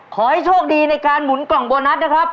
ขอให้โชคดีในการหมุนกล่องโบนัสนะครับ